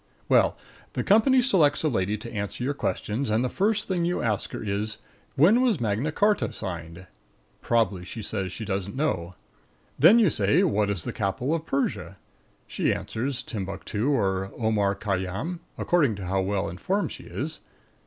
Well, the company selects a lady to answer your questions, and the first thing you ask her is: "When was Magna Charta signed?" Probably she says that she doesn't know. Then you say, "What is the capital of Persia?" She answers Timbuctoo, or Omar Khayyam, according to how well informed she is.